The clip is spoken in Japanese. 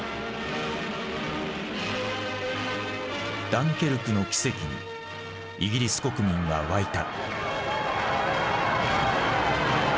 ダンケルクの奇跡にイギリス国民は沸いた。